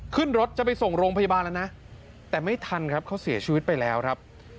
ขึ้นรถจะไปส่งโรงพยาบาลแล้วนะแต่ไม่ทันครับเขาเสียชีวิตไปแล้วครับ